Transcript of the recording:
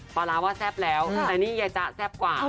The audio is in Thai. ปลาร้าว่าแซ่บแล้วแต่นี่ยายจ๊ะแซ่บกว่า